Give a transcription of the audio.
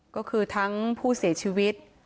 ก็คือทั้งผู้เสียชีวิต